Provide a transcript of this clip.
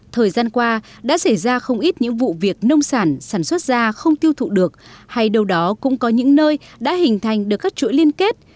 thời gian qua đã xảy ra không ít những vụ việc nông sản sản xuất ra không tiêu thụ được hay đâu đó cũng có những nơi đã hình thành được các chuỗi liên kết